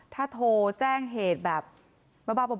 ถ้าโทรแจ้งเหตุแบบบ้าบ้อบออ่ะ